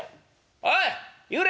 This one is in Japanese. おい幽霊！